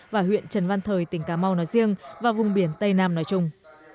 và huyện trần văn thời tỉnh cà mau nói riêng và vùng biển tây nam nói chung